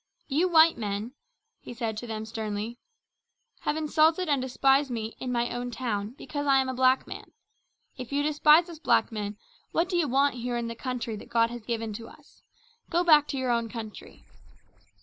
"You white men," he said to them sternly, "have insulted and despised me in my own town because I am a black man. If you despise us black men, what do you want here in the country that God has given to us? Go back to your own country."